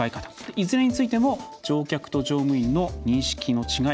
いずれについても乗客と乗務員の認識の違い